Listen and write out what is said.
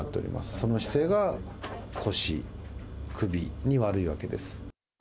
その姿勢が腰、首に悪いわけです。